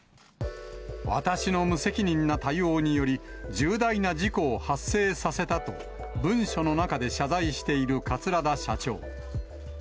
私の無責任な対応により、重大な事故を発生させたと、文書の中で謝罪している桂田社長。